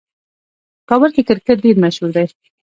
کابل کې کرکټ ډېر مشهور دی.